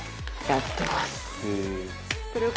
やってます。